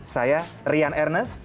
saya rian ernest